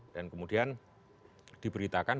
dan kemudian diberitakan